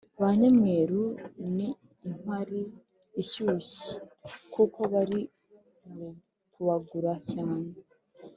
Banyamweru ni impari ishyushye kuko bari kubagura cyane